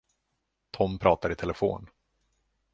Tom pratar i telefon.